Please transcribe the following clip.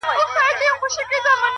مثبت انسان الهام خپروي؛